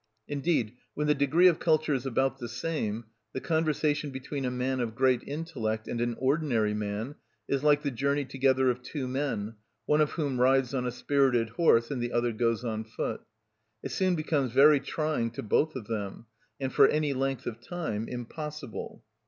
Indeed, when the degree of culture is about the same, the conversation between a man of great intellect and an ordinary man is like the journey together of two men, one of whom rides on a spirited horse and the other goes on foot. It soon becomes very trying to both of them, and for any length of time impossible.